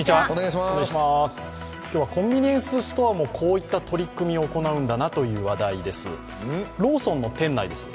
今日はコンビニエンスストアもこういった取り組みを行うんだなという話題です。